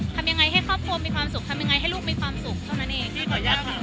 ทำยังไงให้ครอบครองมีความสุขทำยังไงให้ลูกมีความสุขเท่านั้นเอง